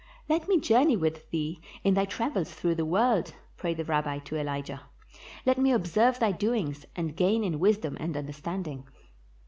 "Let me journey with thee in thy travels through the world," prayed the Rabbi to Elijah; "let me observe thy doings, and gain in wisdom and understanding."